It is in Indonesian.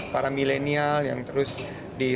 para milenial yang terus di